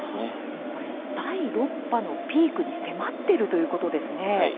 もう第６波のピークに迫っているということですね。